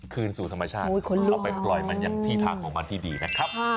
คืนสู่ธรรมชาติเอาไปปล่อยมันอย่างที่ทางของมันที่ดีนะครับ